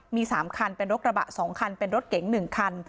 มี๓คันเป็นรถกระบะ๒คันเป็นรถเก๋ง๑คัน